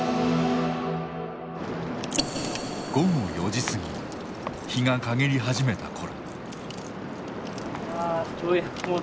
午後４時過ぎ日が陰り始めた頃。